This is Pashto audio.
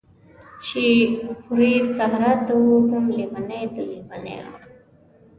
چی خوری صحرا ته ووځم، لیونۍ د لیونیو